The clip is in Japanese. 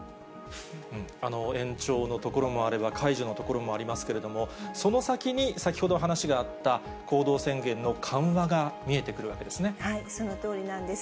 延長の所もあれば、解除の所もありますけれども、その先に先ほど話があった、行動宣言の緩和が見えてくるわけそのとおりなんです。